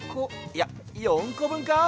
いや４こぶんか？